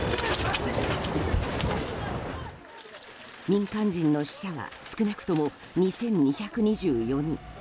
民間人の死者は少なくとも２２２４人。